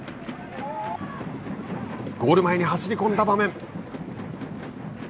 ゴール前に走り込んだ場面。